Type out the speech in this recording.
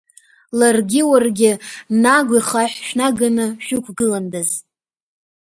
Ларгьы уаргьы Нагә ихахә шәнаганы шәықәгыландаз…